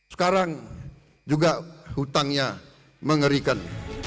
sekarang juga hutangnya mengerikan